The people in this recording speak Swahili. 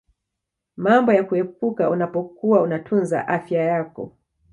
mambo ya kuepuka unapokuwa unatunza afya yako